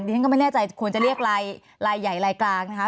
ฉันก็ไม่แน่ใจควรจะเรียกรายใหญ่ลายกลางนะคะ